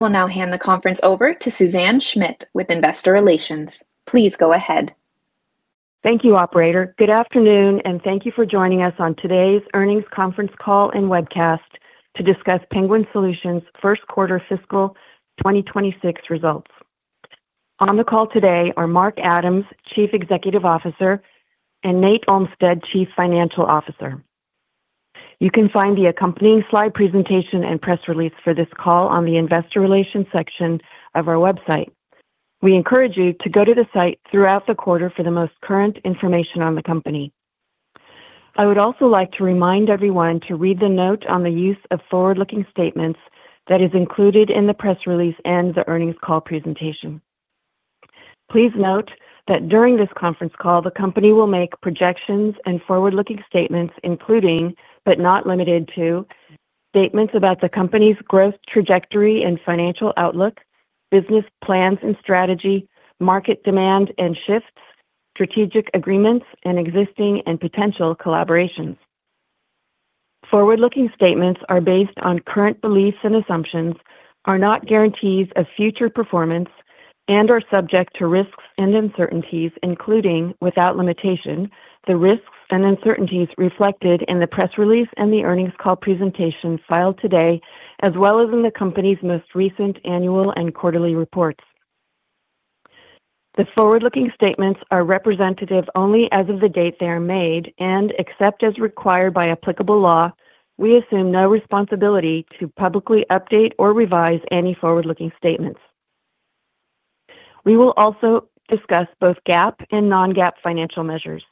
We'll now hand the conference over to Suzanne Schmidt with Investor Relations. Please go ahead. Thank you, Operator. Good afternoon, and thank you for joining us on today's earnings conference call and webcast to discuss Penguin Solutions' first quarter fiscal 2026 results. On the call today are Mark Adams, Chief Executive Officer, and Nate Olmstead, Chief Financial Officer. You can find the accompanying slide presentation and press release for this call on the Investor Relations section of our website. We encourage you to go to the site throughout the quarter for the most current information on the company. I would also like to remind everyone to read the note on the use of forward-looking statements that is included in the press release and the earnings call presentation. Please note that during this conference call, the company will make projections and forward-looking statements, including, but not limited to, statements about the company's growth trajectory and financial outlook, business plans and strategy, market demand and shifts, strategic agreements, and existing and potential collaborations. Forward-looking statements are based on current beliefs and assumptions, are not guarantees of future performance, and are subject to risks and uncertainties, including, without limitation, the risks and uncertainties reflected in the press release and the earnings call presentation filed today, as well as in the company's most recent annual and quarterly reports. The forward-looking statements are representative only as of the date they are made and, except as required by applicable law, we assume no responsibility to publicly update or revise any forward-looking statements. We will also discuss both GAAP and non-GAAP financial measures.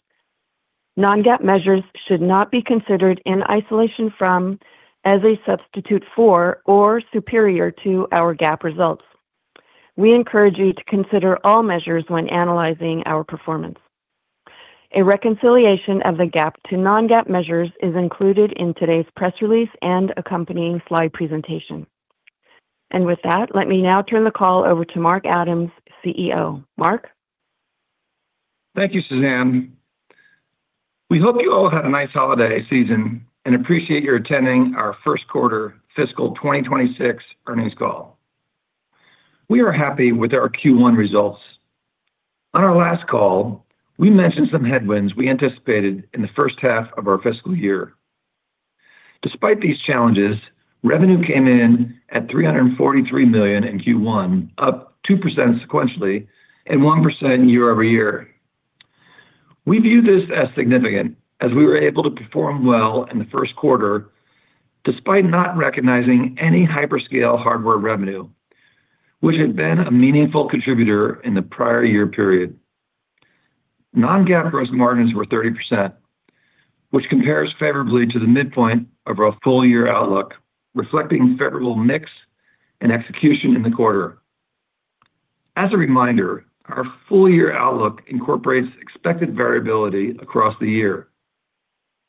Non-GAAP measures should not be considered in isolation from, as a substitute for, or superior to our GAAP results. We encourage you to consider all measures when analyzing our performance. A reconciliation of the GAAP to non-GAAP measures is included in today's press release and accompanying slide presentation. With that, let me now turn the call over to Mark Adams, CEO. Mark. Thank you, Suzanne. We hope you all have a nice holiday season and appreciate your attending our first quarter fiscal 2026 earnings call. We are happy with our Q1 results. On our last call, we mentioned some headwinds we anticipated in the first half of our fiscal year. Despite these challenges, revenue came in at $343 million in Q1, up 2% sequentially and 1% year over year. We view this as significant as we were able to perform well in the first quarter despite not recognizing any hyperscale hardware revenue, which had been a meaningful contributor in the prior year period. Non-GAAP gross margins were 30%, which compares favorably to the midpoint of our full-year outlook, reflecting a favorable mix and execution in the quarter. As a reminder, our full-year outlook incorporates expected variability across the year.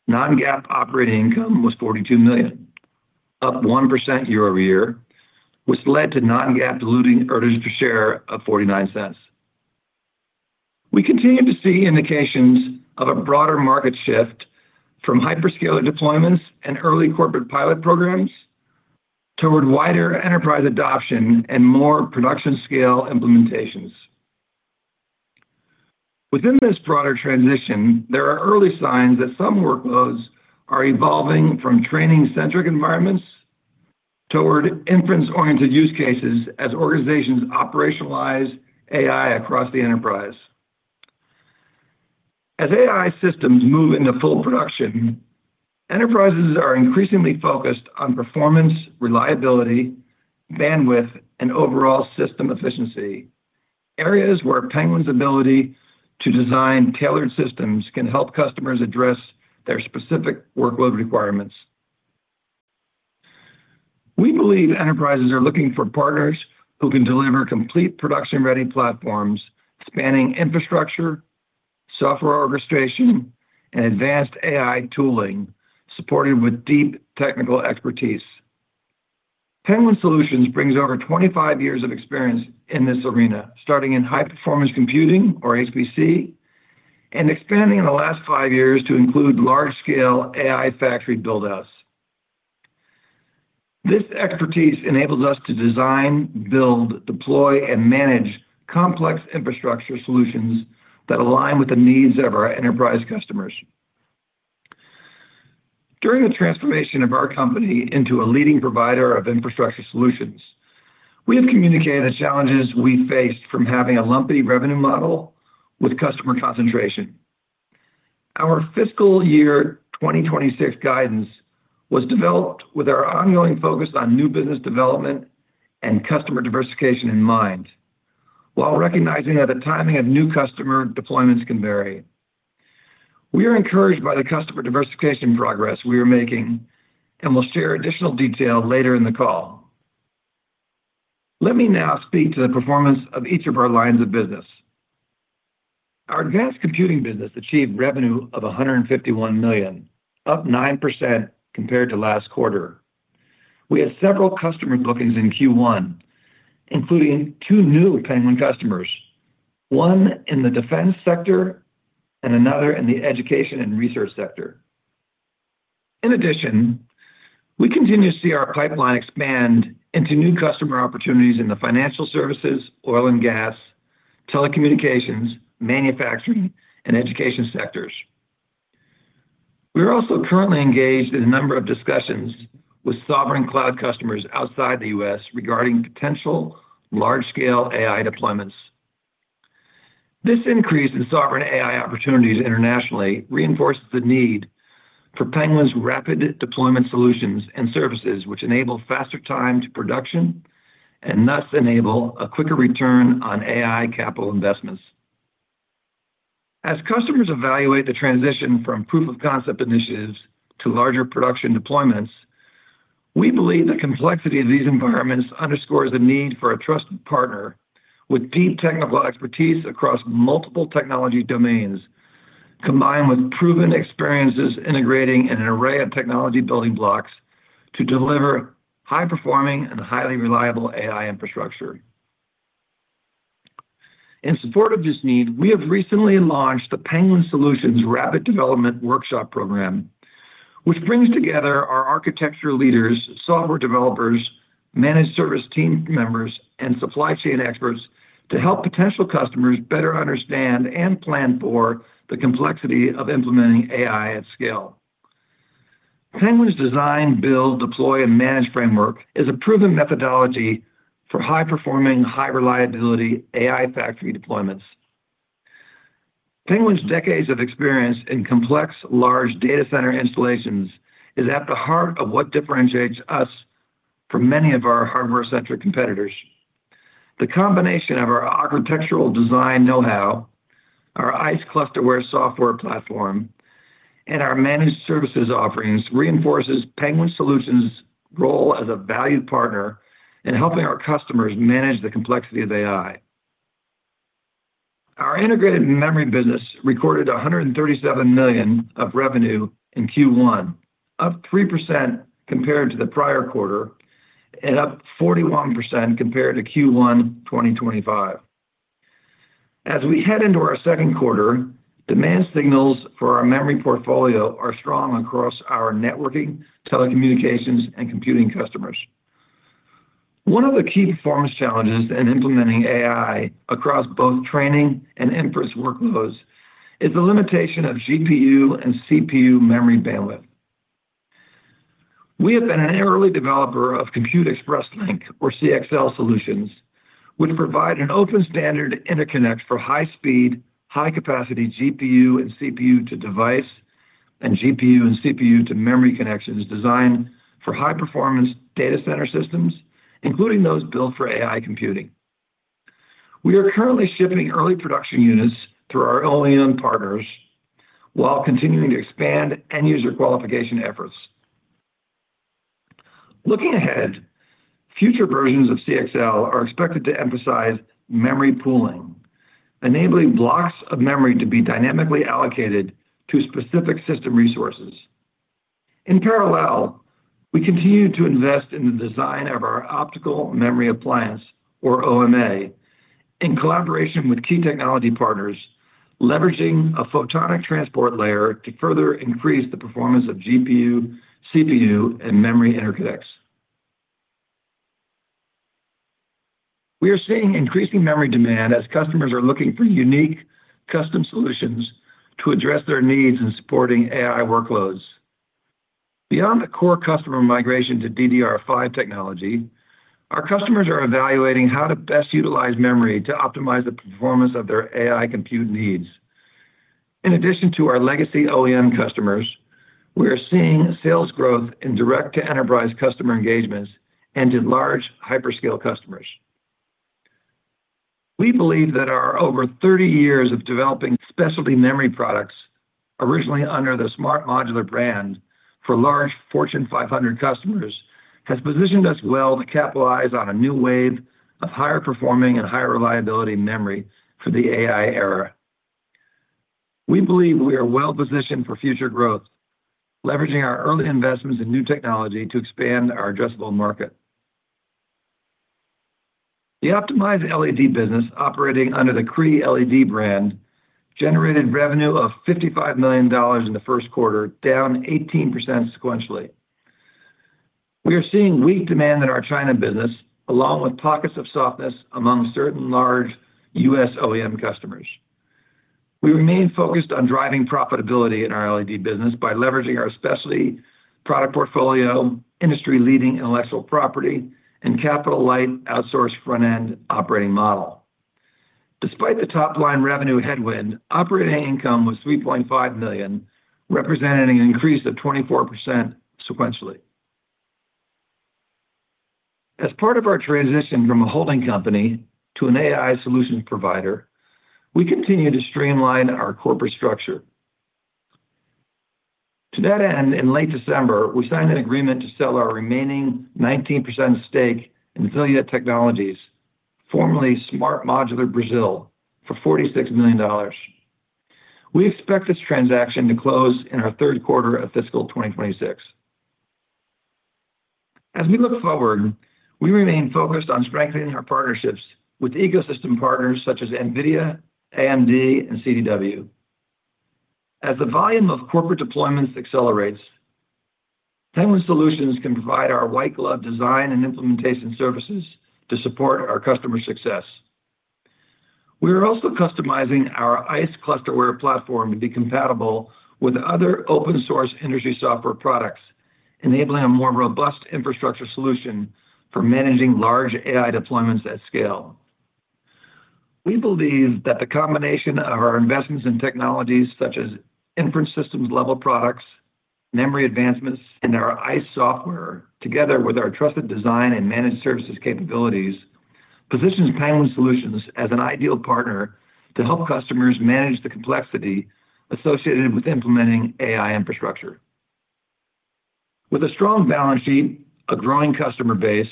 Non-GAAP operating income was $42 million, up 1% year over year, which led to Non-GAAP diluted earnings per share of $0.49. We continue to see indications of a broader market shift from hyperscaler deployments and early corporate pilot programs toward wider enterprise adoption and more production-scale implementations. Within this broader transition, there are early signs that some workloads are evolving from training-centric environments toward inference-oriented use cases as organizations operationalize AI across the enterprise. As AI systems move into full production, enterprises are increasingly focused on performance, reliability, bandwidth, and overall system efficiency, areas where Penguin's ability to design tailored systems can help customers address their specific workload requirements. We believe enterprises are looking for partners who can deliver complete production-ready platforms spanning infrastructure, software orchestration, and advanced AI tooling supported with deep technical expertise. Penguin Solutions brings over 25 years of experience in this arena, starting in high-performance computing, or HPC, and expanding in the last five years to include large-scale AI factory buildouts. This expertise enables us to design, build, deploy, and manage complex infrastructure solutions that align with the needs of our enterprise customers. During the transformation of our company into a leading provider of infrastructure solutions, we have communicated the challenges we faced from having a lumpy revenue model with customer concentration. Our fiscal year 2026 guidance was developed with our ongoing focus on new business development and customer diversification in mind, while recognizing that the timing of new customer deployments can vary. We are encouraged by the customer diversification progress we are making and will share additional detail later in the call. Let me now speak to the performance of each of our lines of business. Our advanced computing business achieved revenue of $151 million, up 9% compared to last quarter. We had several customer bookings in Q1, including two new Penguin customers, one in the defense sector and another in the education and research sector. In addition, we continue to see our pipeline expand into new customer opportunities in the financial services, oil and gas, telecommunications, manufacturing, and education sectors. We are also currently engaged in a number of discussions with sovereign cloud customers outside the U.S. regarding potential large-scale AI deployments. This increase in sovereign AI opportunities internationally reinforces the need for Penguin's rapid deployment solutions and services, which enable faster time to production and thus enable a quicker return on AI capital investments. As customers evaluate the transition from proof-of-concept initiatives to larger production deployments, we believe the complexity of these environments underscores the need for a trusted partner with deep technical expertise across multiple technology domains, combined with proven experiences integrating an array of technology building blocks to deliver high-performing and highly reliable AI infrastructure. In support of this need, we have recently launched the Penguin Solutions Rapid Development Workshop Program, which brings together our architecture leaders, software developers, managed service team members, and supply chain experts to help potential customers better understand and plan for the complexity of implementing AI at scale. Penguin's design, build, deploy, and manage framework is a proven methodology for high-performing, high-reliability AI factory deployments. Penguin's decades of experience in complex, large data center installations is at the heart of what differentiates us from many of our hardware-centric competitors. The combination of our architectural design know-how, our Scyld ClusterWare software platform, and our managed services offerings reinforces Penguin Solutions' role as a valued partner in helping our customers manage the complexity of AI. Our integrated memory business recorded $137 million of revenue in Q1, up 3% compared to the prior quarter and up 41% compared to Q1 2025. As we head into our second quarter, demand signals for our memory portfolio are strong across our networking, telecommunications, and computing customers. One of the key performance challenges in implementing AI across both training and inference workloads is the limitation of GPU and CPU memory bandwidth. We have been an early developer of Compute Express Link, or CXL Solutions, which provide an open-standard interconnect for high-speed, high-capacity GPU and CPU-to-device and GPU and CPU-to-memory connections designed for high-performance data center systems, including those built for AI computing. We are currently shipping early production units through our OEM partners while continuing to expand end-user qualification efforts. Looking ahead, future versions of CXL are expected to emphasize memory pooling, enabling blocks of memory to be dynamically allocated to specific system resources. In parallel, we continue to invest in the design of our optical memory appliance, or OMA, in collaboration with key technology partners, leveraging a photonic transport layer to further increase the performance of GPU, CPU, and memory interconnects. We are seeing increasing memory demand as customers are looking for unique custom solutions to address their needs in supporting AI workloads. Beyond the core customer migration to DDR5 technology, our customers are evaluating how to best utilize memory to optimize the performance of their AI compute needs. In addition to our legacy OEM customers, we are seeing sales growth in direct-to-enterprise customer engagements and in large hyperscale customers. We believe that our over 30 years of developing specialty memory products, originally under the SMART Modular brand for large Fortune 500 customers, has positioned us well to capitalize on a new wave of higher-performing and higher-reliability memory for the AI era. We believe we are well-positioned for future growth, leveraging our early investments in new technology to expand our addressable market. The optimized LED business operating under the Cree LED brand generated revenue of $55 million in the first quarter, down 18% sequentially. We are seeing weak demand in our China business, along with pockets of softness among certain large U.S. OEM customers. We remain focused on driving profitability in our LED business by leveraging our specialty product portfolio, industry-leading intellectual property, and Capital Light outsourced front-end operating model. Despite the top-line revenue headwind, operating income was $3.5 million, representing an increase of 24% sequentially. As part of our transition from a holding company to an AI solutions provider, we continue to streamline our corporate structure. To that end, in late December, we signed an agreement to sell our remaining 19% stake in Zilia Technologies, formerly SMART Modular Brazil, for $46 million. We expect this transaction to close in our third quarter of fiscal 2026. As we look forward, we remain focused on strengthening our partnerships with ecosystem partners such as NVIDIA, AMD, and CDW. As the volume of corporate deployments accelerates, Penguin Solutions can provide our white-glove design and implementation services to support our customer success. We are also customizing our ICE clusterware platform to be compatible with other open-source industry software products, enabling a more robust infrastructure solution for managing large AI deployments at scale. We believe that the combination of our investments in technologies such as inference systems-level products, memory advancements, and our Scyld software, together with our trusted design and managed services capabilities, positions Penguin Solutions as an ideal partner to help customers manage the complexity associated with implementing AI infrastructure. With a strong balance sheet, a growing customer base,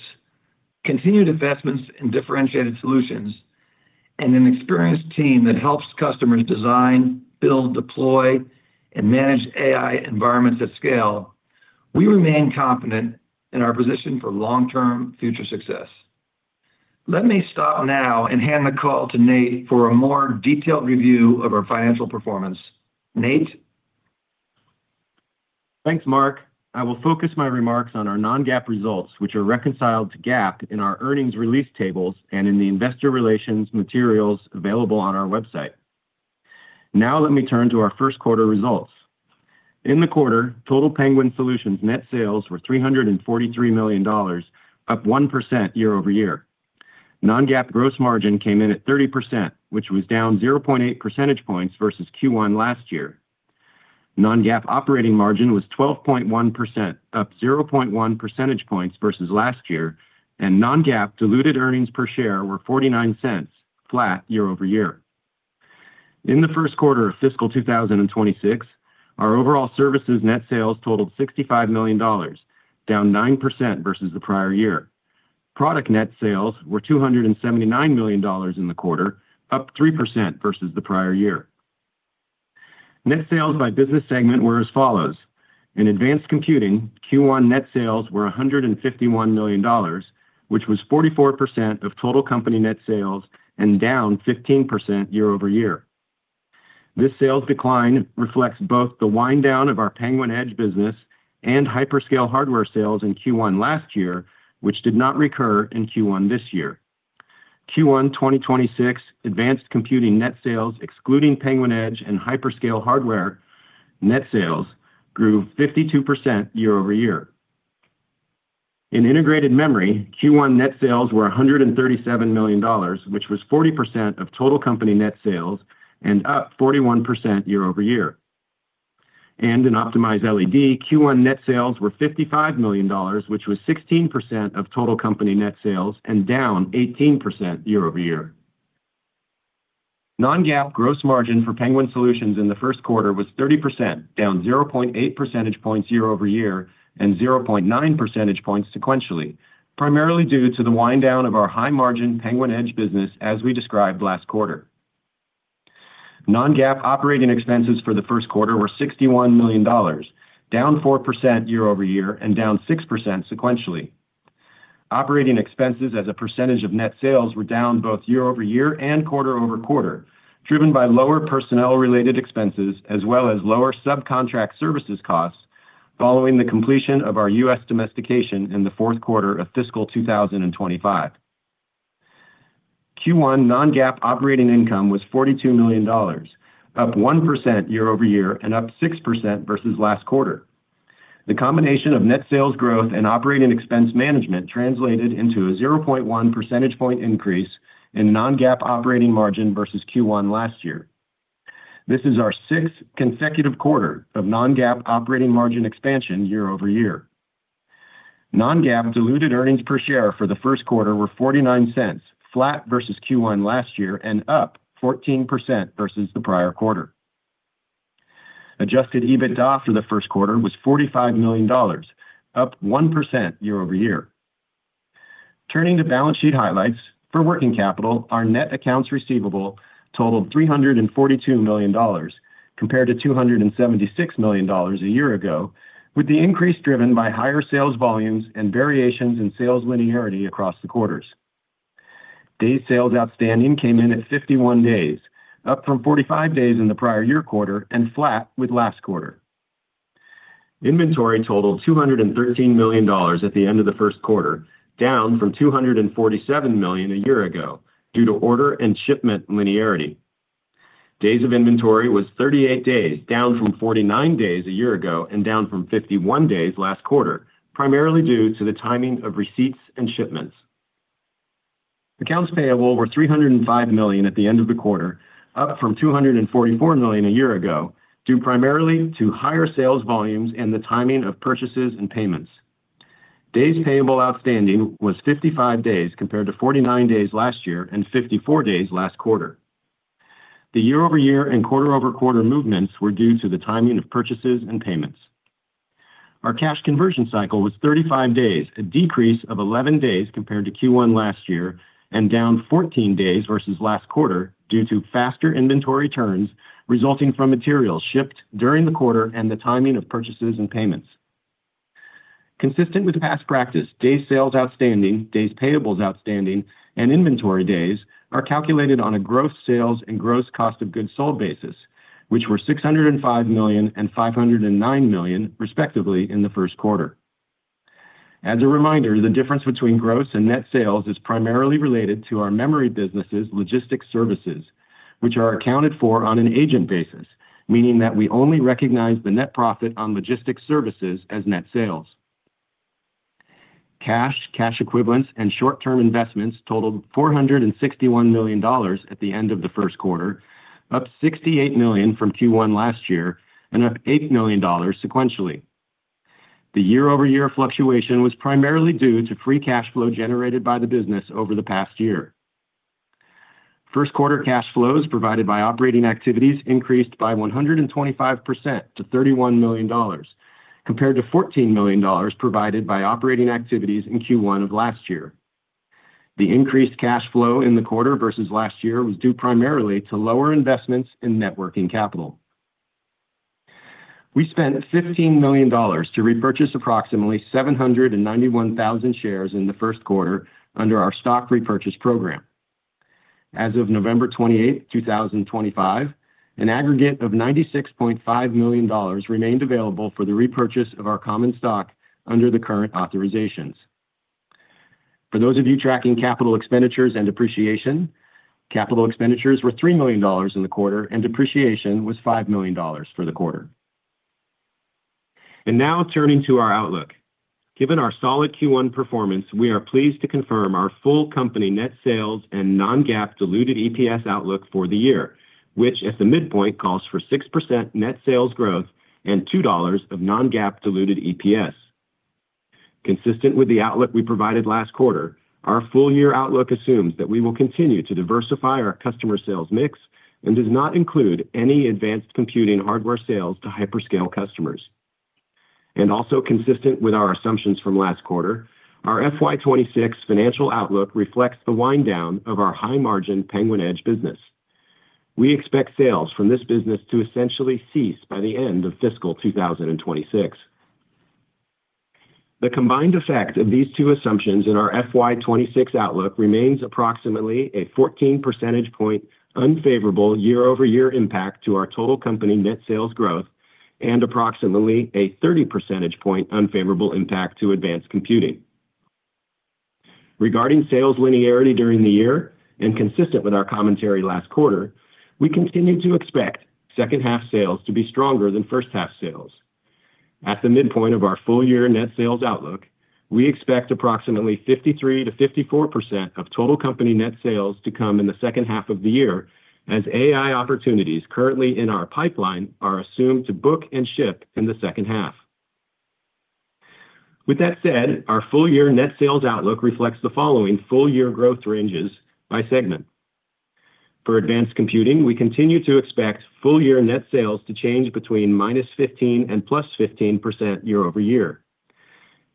continued investments in differentiated solutions, and an experienced team that helps customers design, build, deploy, and manage AI environments at scale, we remain confident in our position for long-term future success. Let me stop now and hand the call to Nate for a more detailed review of our financial performance. Nate. Thanks, Mark. I will focus my remarks on our non-GAAP results, which are reconciled to GAAP in our earnings release tables and in the investor relations materials available on our website. Now let me turn to our first quarter results. In the quarter, total Penguin Solutions net sales were $343 million, up 1% year over year. Non-GAAP gross margin came in at 30%, which was down 0.8 percentage points versus Q1 last year. Non-GAAP operating margin was 12.1%, up 0.1 percentage points versus last year, and Non-GAAP diluted earnings per share were $0.49, flat year over year. In the first quarter of fiscal 2026, our overall services net sales totaled $65 million, down 9% versus the prior year. Product net sales were $279 million in the quarter, up 3% versus the prior year. Net sales by business segment were as follows. In advanced computing, Q1 net sales were $151 million, which was 44% of total company net sales and down 15% year over year. This sales decline reflects both the wind down of our Penguin Edge business and hyperscale hardware sales in Q1 last year, which did not recur in Q1 this year. Q1 2026, Advanced Computing net sales, excluding Penguin Edge and hyperscale hardware net sales, grew 52% year over year. In Integrated Memory, Q1 net sales were $137 million, which was 40% of total company net sales and up 41% year over year. And in Optimized LED, Q1 net sales were $55 million, which was 16% of total company net sales and down 18% year over year. Non-GAAP gross margin for Penguin Solutions in the first quarter was 30%, down 0.8 percentage points year over year and 0.9 percentage points sequentially, primarily due to the wind down of our high-margin Penguin Edge business, as we described last quarter. Non-GAAP operating expenses for the first quarter were $61 million, down 4% year over year and down 6% sequentially. Operating expenses as a percentage of net sales were down both year over year and quarter over quarter, driven by lower personnel-related expenses as well as lower subcontract services costs following the completion of our U.S. domestication in the fourth quarter of fiscal 2025. Q1 non-GAAP operating income was $42 million, up 1% year over year and up 6% versus last quarter. The combination of net sales growth and operating expense management translated into a 0.1 percentage point increase in non-GAAP operating margin versus Q1 last year. This is our sixth consecutive quarter of non-GAAP operating margin expansion year over year. Non-GAAP diluted earnings per share for the first quarter were $0.49, flat versus Q1 last year and up 14% versus the prior quarter. Adjusted EBITDA for the first quarter was $45 million, up 1% year over year. Turning to balance sheet highlights, for working capital, our net accounts receivable totaled $342 million compared to $276 million a year ago, with the increase driven by higher sales volumes and variations in sales linearity across the quarters. Days sales outstanding came in at 51 days, up from 45 days in the prior year quarter and flat with last quarter. Inventory totaled $213 million at the end of the first quarter, down from $247 million a year ago due to order and shipment linearity. Days of inventory was 38 days, down from 49 days a year ago and down from 51 days last quarter, primarily due to the timing of receipts and shipments. Accounts payable were $305 million at the end of the quarter, up from $244 million a year ago due primarily to higher sales volumes and the timing of purchases and payments. Days payable outstanding was 55 days compared to 49 days last year and 54 days last quarter. The year-over-year and quarter-over-quarter movements were due to the timing of purchases and payments. Our cash conversion cycle was 35 days, a decrease of 11 days compared to Q1 last year and down 14 days versus last quarter due to faster inventory turns resulting from materials shipped during the quarter and the timing of purchases and payments. Consistent with past practice, days sales outstanding, days payable outstanding, and inventory days are calculated on a gross sales and gross cost of goods sold basis, which were $605 million and $509 million, respectively, in the first quarter. As a reminder, the difference between gross and net sales is primarily related to our memory business's logistics services, which are accounted for on an agent basis, meaning that we only recognize the net profit on logistics services as net sales. Cash, cash equivalents, and short-term investments totaled $461 million at the end of the first quarter, up $68 million from Q1 last year and up $8 million sequentially. The year-over-year fluctuation was primarily due to free cash flow generated by the business over the past year. First-quarter cash flows provided by operating activities increased by 125% to $31 million, compared to $14 million provided by operating activities in Q1 of last year. The increased cash flow in the quarter versus last year was due primarily to lower investments in working capital. We spent $15 million to repurchase approximately 791,000 shares in the first quarter under our stock repurchase program. As of November 28, 2025, an aggregate of $96.5 million remained available for the repurchase of our common stock under the current authorizations. For those of you tracking capital expenditures and depreciation, capital expenditures were $3 million in the quarter and depreciation was $5 million for the quarter. Now turning to our outlook. Given our solid Q1 performance, we are pleased to confirm our full company net sales and non-GAAP diluted EPS outlook for the year, which at the midpoint calls for 6% net sales growth and $2 of non-GAAP diluted EPS. Consistent with the outlook we provided last quarter, our full year outlook assumes that we will continue to diversify our customer sales mix and does not include any advanced computing hardware sales to hyperscale customers. Also consistent with our assumptions from last quarter, our FY26 financial outlook reflects the wind down of our high-margin Penguin Edge business. We expect sales from this business to essentially cease by the end of fiscal 2026. The combined effect of these two assumptions in our FY26 outlook remains approximately a 14 percentage point unfavorable year-over-year impact to our total company net sales growth and approximately a 30 percentage point unfavorable impact to advanced computing. Regarding sales linearity during the year, and consistent with our commentary last quarter, we continue to expect second-half sales to be stronger than first-half sales. At the midpoint of our full year net sales outlook, we expect approximately 53% to 54% of total company net sales to come in the second half of the year as AI opportunities currently in our pipeline are assumed to book and ship in the second half. With that said, our full-year net sales outlook reflects the following full-year growth ranges by segment. For Advanced Computing, we continue to expect full-year net sales to change between -15% and +15% year over year.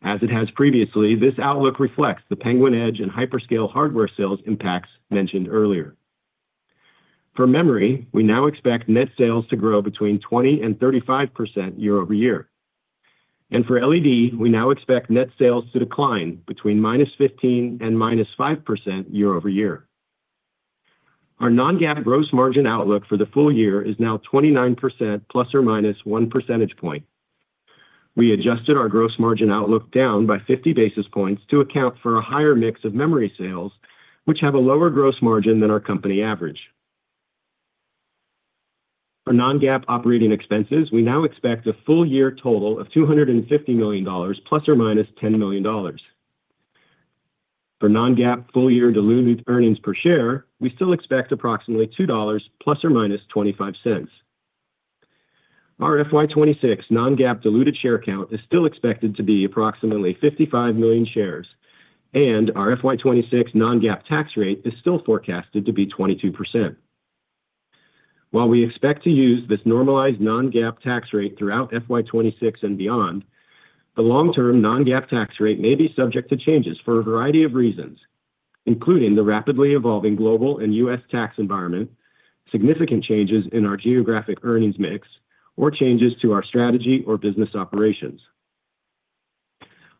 As it has previously, this outlook reflects the Penguin Edge and hyperscale hardware sales impacts mentioned earlier. For Memory, we now expect net sales to grow between 20% and 35% year over year, and for LED, we now expect net sales to decline between -15% and -5% year over year. Our non-GAAP gross margin outlook for the full year is now 29% plus or minus 1 percentage point. We adjusted our gross margin outlook down by 50 basis points to account for a higher mix of memory sales, which have a lower gross margin than our company average. For non-GAAP operating expenses, we now expect a full year total of $250 million, plus or minus $10 million. For non-GAAP full year diluted earnings per share, we still expect approximately $2 plus or minus $0.25. Our FY26 non-GAAP diluted share count is still expected to be approximately 55 million shares, and our FY26 non-GAAP tax rate is still forecasted to be 22%. While we expect to use this normalized non-GAAP tax rate throughout FY26 and beyond, the long-term non-GAAP tax rate may be subject to changes for a variety of reasons, including the rapidly evolving global and U.S. tax environment, significant changes in our geographic earnings mix, or changes to our strategy or business operations.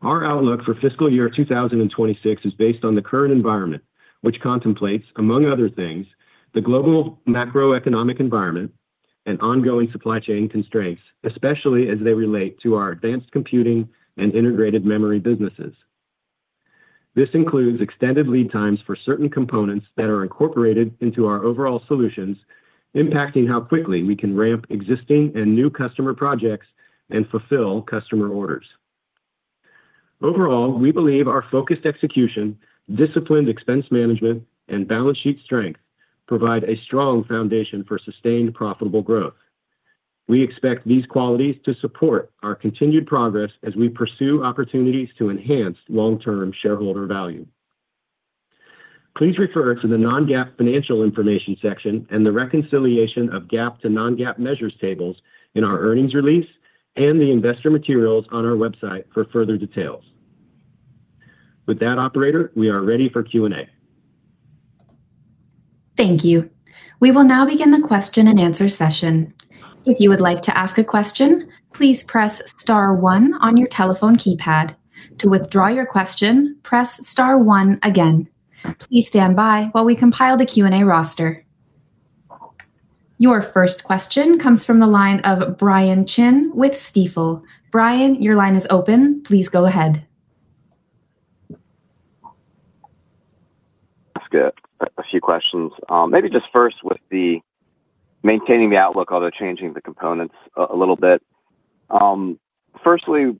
Our outlook for fiscal year 2026 is based on the current environment, which contemplates, among other things, the global macroeconomic environment and ongoing supply chain constraints, especially as they relate to our advanced computing and integrated memory businesses. This includes extended lead times for certain components that are incorporated into our overall solutions, impacting how quickly we can ramp existing and new customer projects and fulfill customer orders. Overall, we believe our focused execution, disciplined expense management, and balance sheet strength provide a strong foundation for sustained profitable growth. We expect these qualities to support our continued progress as we pursue opportunities to enhance long-term shareholder value. Please refer to the non-GAAP financial information section and the reconciliation of GAAP to non-GAAP measures tables in our earnings release and the investor materials on our website for further details. With that, Operator, we are ready for Q&A. Thank you. We will now begin the question and answer session. If you would like to ask a question, please press star one on your telephone keypad. To withdraw your question, press star one again. Please stand by while we compile the Q&A roster. Your first question comes from the line of Brian Chin with Stifel. Brian, your line is open. Please go ahead. I've got a few questions. Maybe just first with the maintaining the outlook, although changing the components a little bit. Firstly,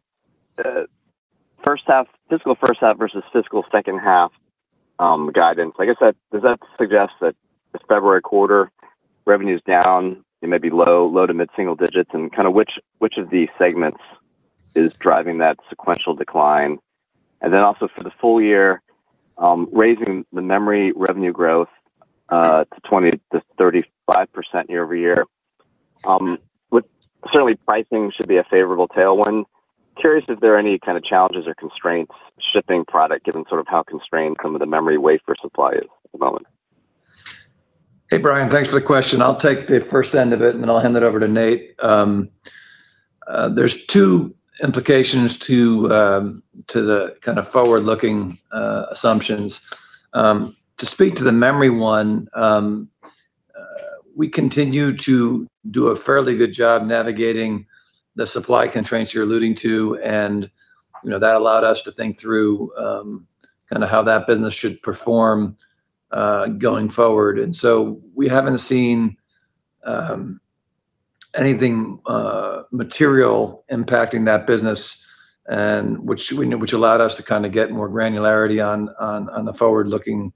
fiscal first half versus fiscal second half guidance. Like I said, does that suggest that this February quarter revenue is down, maybe low to mid-single digits, and kind of which of these segments is driving that sequential decline? And then also for the full year, raising the memory revenue growth to 20%-35% year over year, certainly pricing should be a favorable tailwind. Curious if there are any kind of challenges or constraints shipping product given sort of how constrained some of the memory wafer supply is at the moment? Hey, Brian, thanks for the question. I'll take the first end of it, and then I'll hand that over to Nate. There's two implications to the kind of forward-looking assumptions. To speak to the memory one, we continue to do a fairly good job navigating the supply constraints you're alluding to, and that allowed us to think through kind of how that business should perform going forward, and so we haven't seen anything material impacting that business, which allowed us to kind of get more granularity on the forward-looking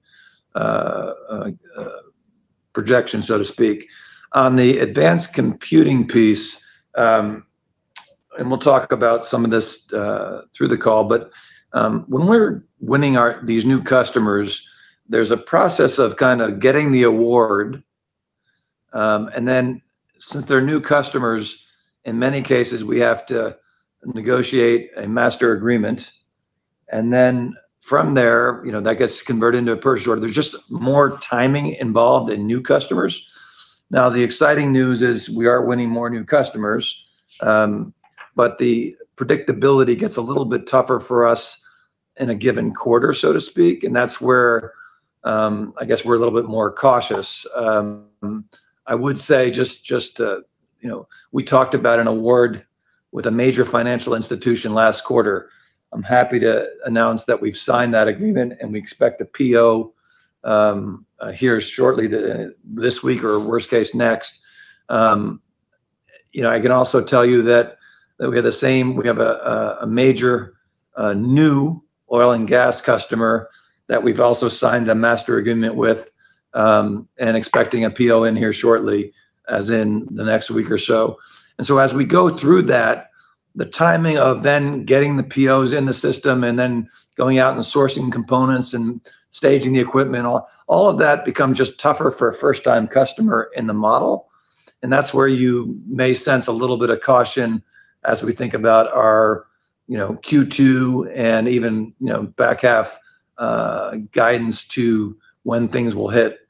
projection, so to speak. On the advanced computing piece, and we'll talk about some of this through the call, but when we're winning these new customers, there's a process of kind of getting the award. And then since they're new customers, in many cases, we have to negotiate a master agreement. And then from there, that gets converted into a purchase order. There's just more timing involved in new customers. Now, the exciting news is we are winning more new customers, but the predictability gets a little bit tougher for us in a given quarter, so to speak. And that's where I guess we're a little bit more cautious. I would say just we talked about an award with a major financial institution last quarter. I'm happy to announce that we've signed that agreement, and we expect the PO here shortly this week or worst case next. I can also tell you that we have the same, we have a major new oil and gas customer that we've also signed the master agreement with and expecting a PO in here shortly, as in the next week or so. And so as we go through that, the timing of then getting the POs in the system and then going out and sourcing components and staging the equipment, all of that becomes just tougher for a first-time customer in the model. And that's where you may sense a little bit of caution as we think about our Q2 and even back half guidance to when things will hit.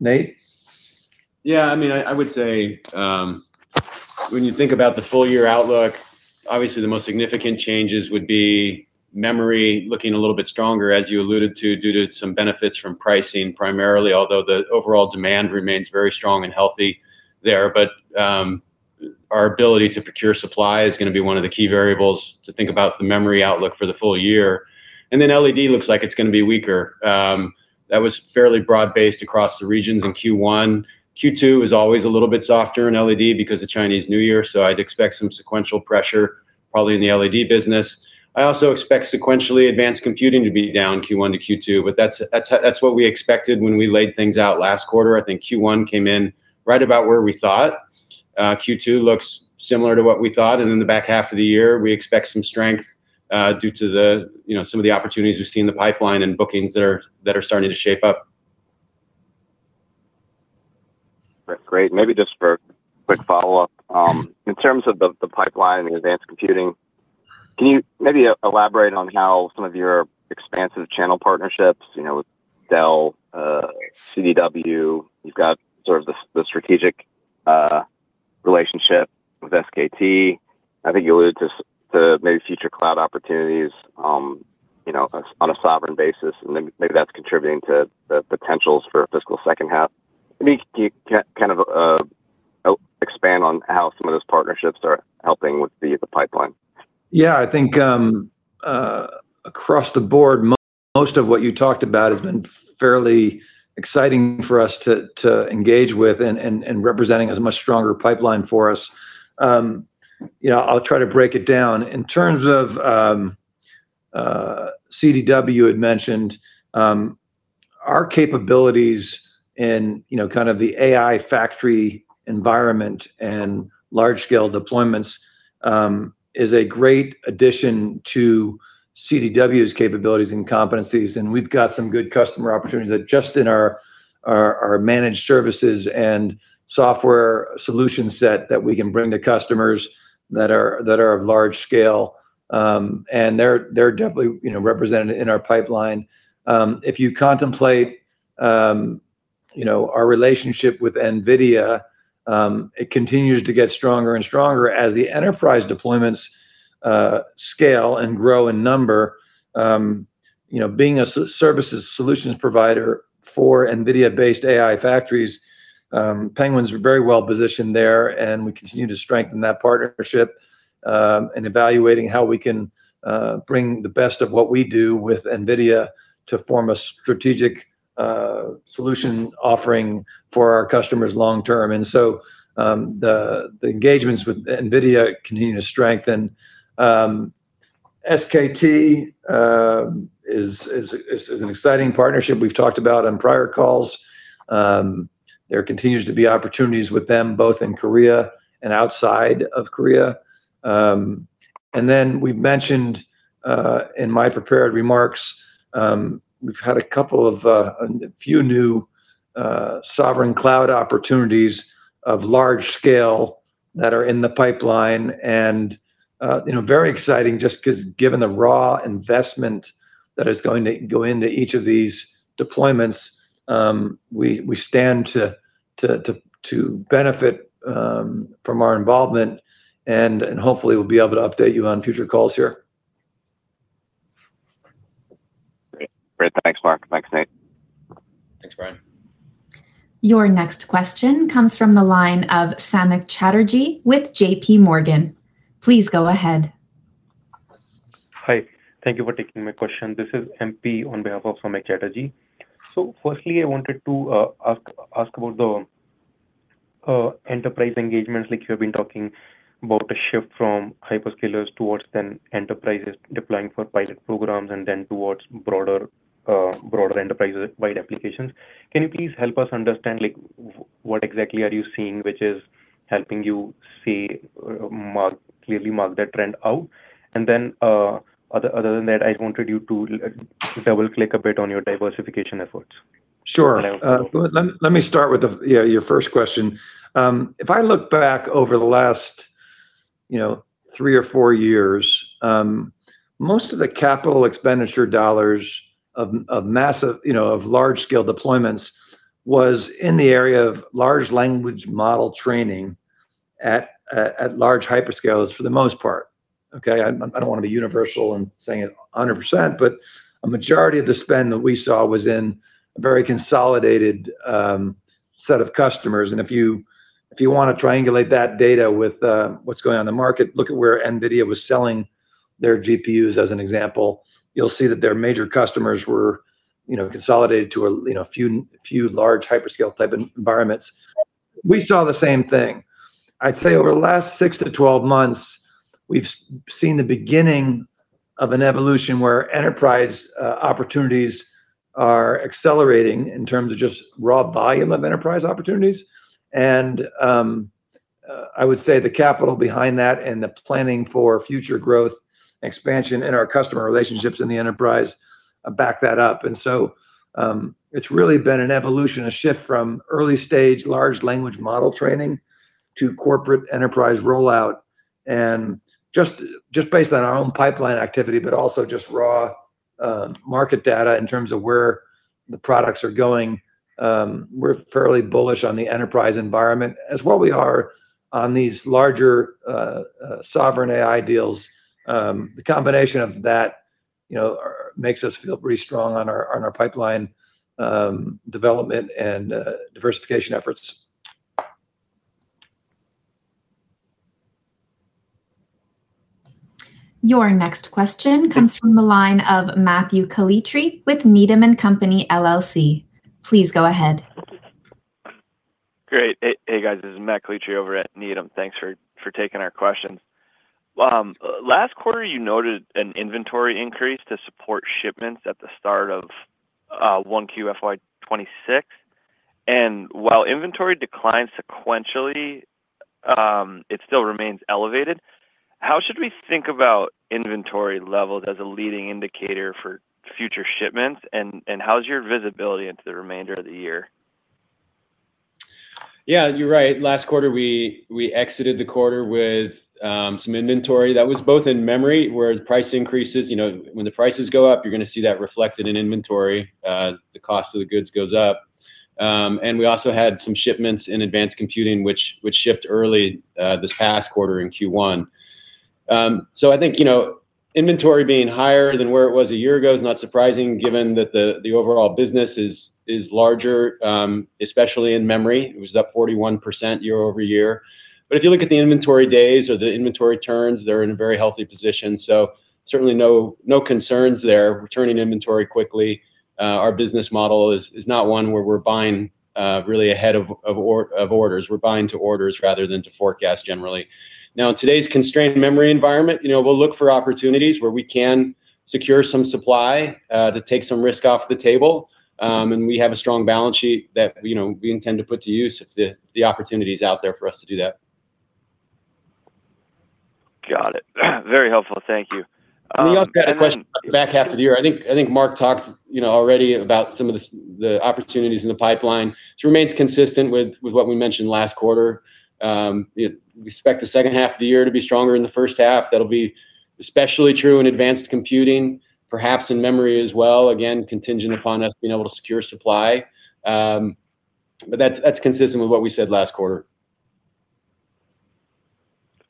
Nate? Yeah. I mean, I would say when you think about the full year outlook, obviously the most significant changes would be memory looking a little bit stronger, as you alluded to, due to some benefits from pricing primarily, although the overall demand remains very strong and healthy there. But our ability to procure supply is going to be one of the key variables to think about the memory outlook for the full year. And then LED looks like it's going to be weaker. That was fairly broad-based across the regions in Q1. Q2 is always a little bit softer in LED because of Chinese New Year, so I'd expect some sequential pressure probably in the LED business. I also expect sequentially advanced computing to be down Q1 to Q2, but that's what we expected when we laid things out last quarter. I think Q1 came in right about where we thought. Q2 looks similar to what we thought. And in the back half of the year, we expect some strength due to some of the opportunities we've seen in the pipeline and bookings that are starting to shape up. Great. Maybe just for a quick follow-up, in terms of the pipeline and Advanced Computing, can you maybe elaborate on how some of your expansive channel partnerships with Dell, CDW. You've got sort of the strategic relationship with SKT. I think you alluded to maybe future cloud opportunities on a sovereign basis, and maybe that's contributing to the potentials for a fiscal second half. Maybe can you kind of expand on how some of those partnerships are helping with the pipeline? Yeah. I think across the board, most of what you talked about has been fairly exciting for us to engage with and representing a much stronger pipeline for us. I'll try to break it down. In terms of CDW, you had mentioned our capabilities in kind of the AI factory environment and large-scale deployments is a great addition to CDW's capabilities and competencies. And we've got some good customer opportunities that just in our managed services and software solution set that we can bring to customers that are of large scale. And they're definitely represented in our pipeline. If you contemplate our relationship with NVIDIA, it continues to get stronger and stronger as the enterprise deployments scale and grow in number. Being a services solutions provider for NVIDIA-based AI factories, Penguin's very well positioned there, and we continue to strengthen that partnership in evaluating how we can bring the best of what we do with NVIDIA to form a strategic solution offering for our customers long-term. And so the engagements with NVIDIA continue to strengthen. SKT is an exciting partnership we've talked about on prior calls. There continues to be opportunities with them, both in Korea and outside of Korea. And then we've mentioned in my prepared remarks, we've had a couple of few new sovereign cloud opportunities of large scale that are in the pipeline. And very exciting just because given the raw investment that is going to go into each of these deployments, we stand to benefit from our involvement, and hopefully we'll be able to update you on future calls here. Great. Thanks, Mark. Thanks, Nate. Thanks, Brian. Your next question comes from the line of Samik Chatterjee with JP Morgan. Please go ahead. Hi. Thank you for taking my question. This is MP on behalf of Samik Chatterjee. So firstly, I wanted to ask about the enterprise engagements. Like you have been talking about a shift from hyperscalers towards then enterprises deploying for pilot programs and then towards broader enterprise-wide applications. Can you please help us understand what exactly are you seeing which is helping you clearly mark that trend out? And then other than that, I wanted you to double-click a bit on your diversification efforts. Sure. Let me start with your first question. If I look back over the last three or four years, most of the capital expenditure dollars of large-scale deployments was in the area of large language model training at large hyperscalers for the most part. Okay? I don't want to be universal in saying it 100%, but a majority of the spend that we saw was in a very consolidated set of customers. If you want to triangulate that data with what's going on in the market, look at where NVIDIA was selling their GPUs as an example. You'll see that their major customers were consolidated to a few large hyperscale type environments. We saw the same thing. I'd say over the last six to 12 months, we've seen the beginning of an evolution where enterprise opportunities are accelerating in terms of just raw volume of enterprise opportunities. And I would say the capital behind that and the planning for future growth expansion in our customer relationships in the enterprise back that up. And so it's really been an evolution, a shift from early-stage large language model training to corporate enterprise rollout. And just based on our own pipeline activity, but also just raw market data in terms of where the products are going, we're fairly bullish on the enterprise environment, as well as we are on these larger sovereign AI deals. The combination of that makes us feel pretty strong on our pipeline development and diversification efforts. Your next question comes from the line of Matthew Kalitri with Needham & Company LLC. Please go ahead. Great. Hey, guys. This is Matt Kalitri over at Needham. Thanks for taking our questions. Last quarter, you noted an inventory increase to support shipments at the start of 1QFY26. And while inventory declines sequentially, it still remains elevated. How should we think about inventory levels as a leading indicator for future shipments, and how's your visibility into the remainder of the year? Yeah. You're right. Last quarter, we exited the quarter with some inventory that was both in memory, where price increases. When the prices go up, you're going to see that reflected in inventory. The cost of the goods goes up, and we also had some shipments in advanced computing which shipped early this past quarter in Q1, so I think inventory being higher than where it was a year ago is not surprising given that the overall business is larger, especially in memory. It was up 41% year over year, but if you look at the inventory days or the inventory turns, they're in a very healthy position, so certainly no concerns there. We're turning inventory quickly. Our business model is not one where we're buying really ahead of orders. We're buying to orders rather than to forecast generally. Now, in today's constrained memory environment, we'll look for opportunities where we can secure some supply to take some risk off the table, and we have a strong balance sheet that we intend to put to use if the opportunity is out there for us to do that. Got it. Very helpful. Thank you. Let me ask you a question back half of the year. I think Mark talked already about some of the opportunities in the pipeline. It remains consistent with what we mentioned last quarter. We expect the second half of the year to be stronger than the first half. That'll be especially true in advanced computing, perhaps in memory as well, again, contingent upon us being able to secure supply. But that's consistent with what we said last quarter.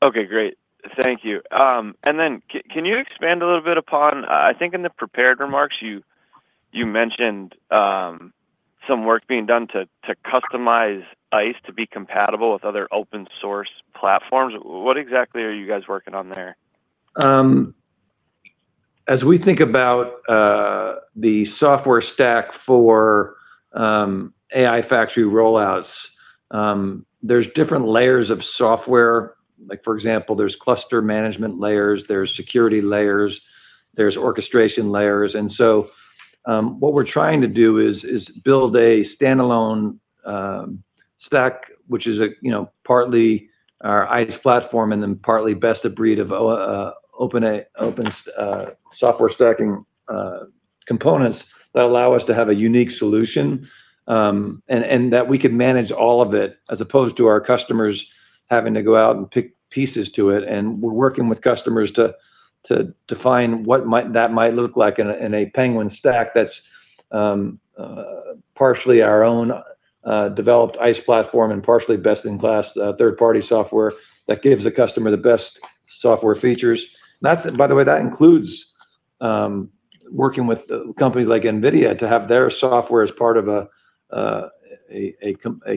Okay. Great. Thank you. And then can you expand a little bit upon I think in the prepared remarks, you mentioned some work being done to customize ICE to be compatible with other open-source platforms? What exactly are you guys working on there? As we think about the software stack for AI factory rollouts, there's different layers of software. For example, there's cluster management layers, there's security layers, there's orchestration layers. And so what we're trying to do is build a standalone stack, which is partly our ICE platform and then partly best-of-breed of open software stacking components that allow us to have a unique solution and that we could manage all of it as opposed to our customers having to go out and pick pieces to it. We're working with customers to define what that might look like in a Penguin stack that's partially our own developed ICE platform and partially best-in-class third-party software that gives the customer the best software features. By the way, that includes working with companies like NVIDIA to have their software as part of a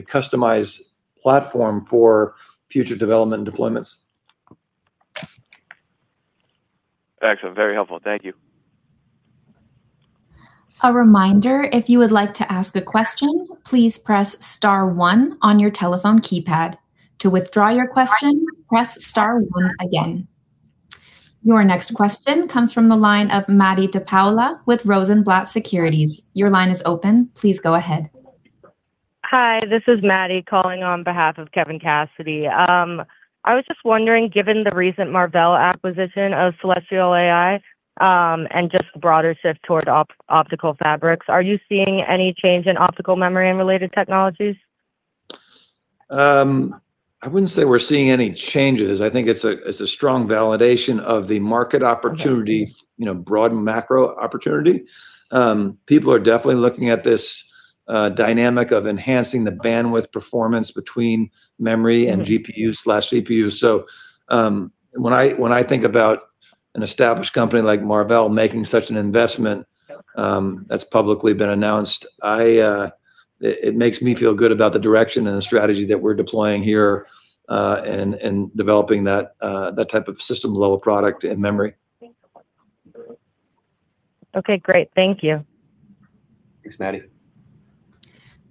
customized platform for future development and deployments. Excellent. Very helpful. Thank you. A reminder, if you would like to ask a question, please press star one on your telephone keypad. To withdraw your question, press star one again. Your next question comes from the line of Matty DePaola with Rosenblatt Securities. Your line is open. Please go ahead. Hi. This is Matty calling on behalf of Kevin Cassidy. I was just wondering, given the recent Marvell acquisition of Celestial AI and just the broader shift toward optical fabrics, are you seeing any change in optical memory and related technologies? I wouldn't say we're seeing any changes. I think it's a strong validation of the market opportunity, broad macro opportunity. People are definitely looking at this dynamic of enhancing the bandwidth performance between memory and GPU/CPU. So when I think about an established company like Marvell making such an investment that's publicly been announced, it makes me feel good about the direction and the strategy that we're deploying here and developing that type of system-level product in memory. Okay. Great. Thank you. Thanks, Matty.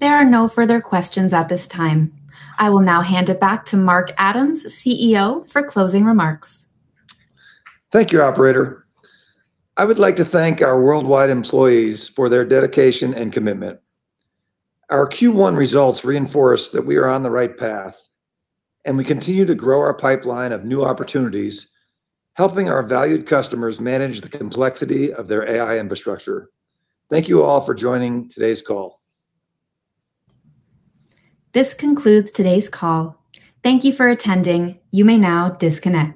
There are no further questions at this time. I will now hand it back to Mark Adams, CEO, for closing remarks. Thank you, Operator. I would like to thank our worldwide employees for their dedication and commitment. Our Q1 results reinforce that we are on the right path, and we continue to grow our pipeline of new opportunities, helping our valued customers manage the complexity of their AI infrastructure. Thank you all for joining today's call. This concludes today's call. Thank you for attending. You may now disconnect.